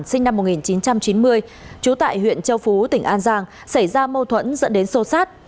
sinh năm một nghìn chín trăm chín mươi trú tại huyện châu phú tỉnh an giang xảy ra mâu thuẫn dẫn đến sô sát